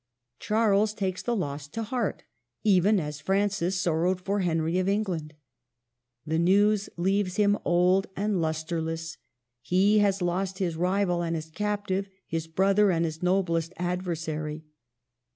Charles takes the loss to heart, even as Francis sorrowed for Henry of Eng land. The news leaves him old and lustre less. He has lost his rival and his captive, his brother and his noblest adversary.